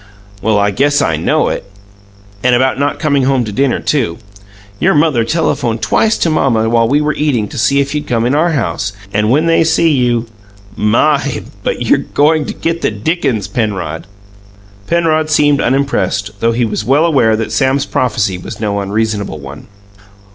"Well, I guess I know it." "And about not comin' home to dinner, too. Your mother telephoned twice to Mamma while we were eatin' to see if you'd come in our house. And when they SEE you MY, but you're goin' to get the DICKENS, Penrod!" Penrod seemed unimpressed, though he was well aware that Sam's prophecy was no unreasonable one.